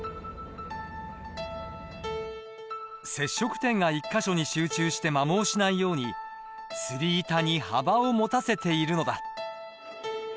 接触点が１か所に集中して磨耗しないようにすり板に幅を持たせているのだ。